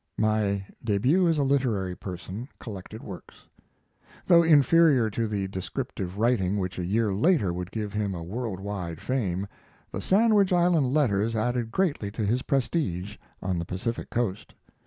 ["My Debut as a Literary Person." Collected works.] Though inferior to the descriptive writing which a year later would give him a world wide fame, the Sandwich Island letters added greatly to his prestige on the Pacific coast.